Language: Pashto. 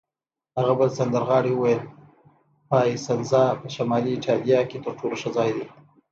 هغه بل سندرغاړي وویل: پایسنزا په شمالي ایټالیا کې تر ټولو ښه ځای دی.